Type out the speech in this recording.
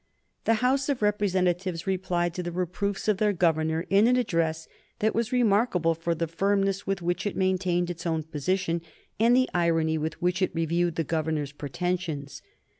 The House of Representatives replied to the reproofs of their governor in an address that was remarkable for the firmness with which it maintained its own position and the irony with which it reviewed the governor's pretensions.